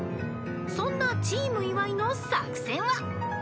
［そんなチーム岩井の作戦は？］